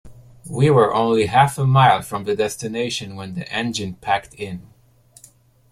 We were only half a mile from the destination when the engine packed in.